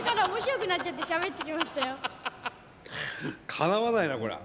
かなわないなこりゃ。